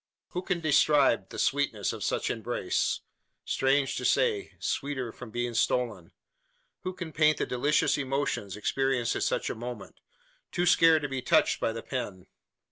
Who can describe the sweetness of such embrace strange to say, sweeter from being stolen? Who can paint the delicious emotions experienced at such a moment too sacred to be touched by the pen?